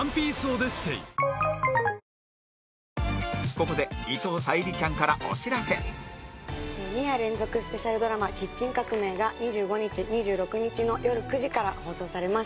ここで２夜連続スペシャルドラマ『キッチン革命』が２５日２６日のよる９時から放送されます。